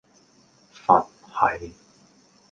佛系